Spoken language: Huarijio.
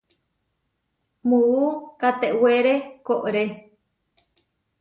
Muú katewére koʼré.